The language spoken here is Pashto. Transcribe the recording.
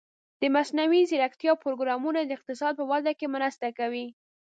د مصنوعي ځیرکتیا پروګرامونه د اقتصاد په وده کې مرسته کوي.